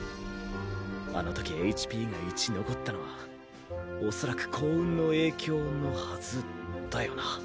あのときＨＰが１残ったのはおそらく幸運の影響のはずだよな？